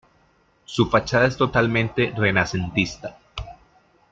Su fachada es totalmente renacentista.